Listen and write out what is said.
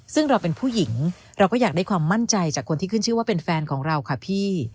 ซึ่งเราเป็นผู้หญิงเราก็อยากได้ความมั่นใจจากคนที่ขึ้นชื่อว่าเป็นแฟนของเราค่ะพี่